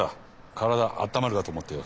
体あったまるかと思ってよ。